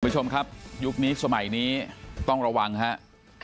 คุณผู้ชมครับยุคนี้สมัยนี้ต้องระวังครับ